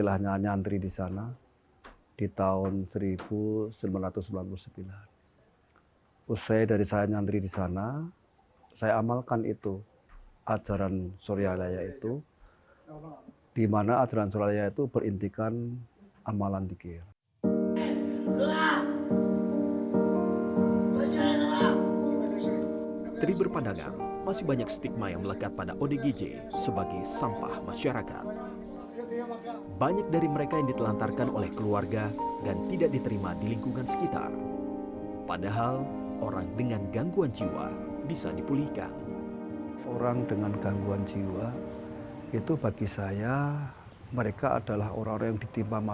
dia ada yaitu yang saya rasakan ketika saya menangani orang orang bermasalah itu kalau dilihat akan menimbulkan keadaan korupsi itu akan mengurangkan keadaan korupsi itu akan menurutku berarti kita sudah dapat penyelamatkan keadaan juga di dunia